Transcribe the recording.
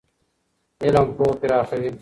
علم پوهه پراخوي.